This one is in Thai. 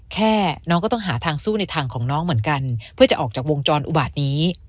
น้องก็ต้องหาทางสู้ในทางของน้องเหมือนกันเพื่อจะออกจากวงจรอุบาตนี้